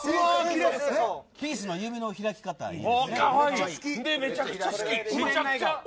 ピースの指の開き方がいい。